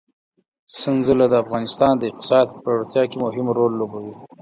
سنځله د افغانستان د اقتصاد په پیاوړتیا کې مهم رول لوبوي.